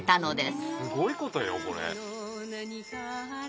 すごいことよこれ。